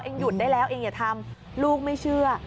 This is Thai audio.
หยุดได้แล้วเองอย่าทำลูกไม่เชื่อ